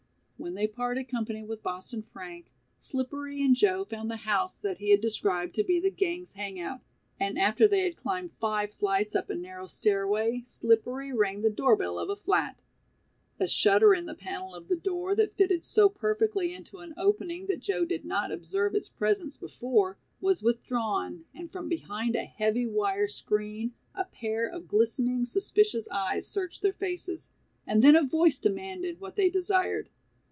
When they parted company with Boston Frank, Slippery and Joe found the house that he had described to be the "gang's" hangout, and after they had climbed five flights up a narrow stairway, Slippery rang the door bell of a flat. A shutter in the panel of the door that fitted so perfectly into an opening that Joe did not observe its presence before, was withdrawn and from behind a heavy wire screen a pair of glistening, suspicious eyes searched their faces, and then a voice demanded what they desired.